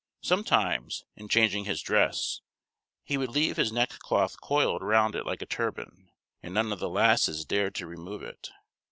Sometimes, in changing his dress, he would leave his neck cloth coiled round it like a turban, and none of the "lasses" dared to remove it.